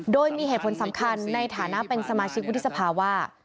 โดยมีเหตุผลสำคัญในฐานะเป็นสมาชิกวุฒิสภาว่า